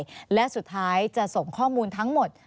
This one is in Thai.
และสุดท้ายจะส่งข้อมูลทั้งหมด